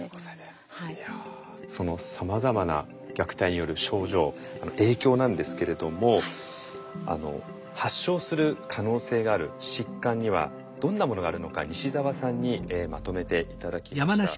いやそのさまざまな虐待による症状影響なんですけれども発症する可能性がある疾患にはどんなものがあるのか西澤さんにまとめて頂きました。